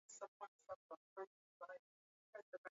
atatumia njia nyingine badala ya kusubiri